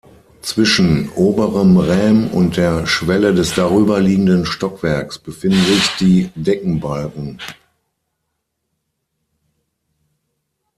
Zwischen oberem Rähm und der Schwelle des darüberliegenden Stockwerks befinden sich die Deckenbalken.